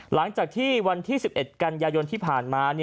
หลังจากที่วันที่๑๑กันยายนที่ผ่านมา